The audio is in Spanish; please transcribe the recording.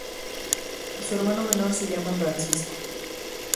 Su hermano menor se llama Francisco.